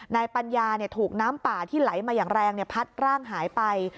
ปัญญาถูกน้ำป่าที่ไหลมาอย่างแรงพัดร่างหายไป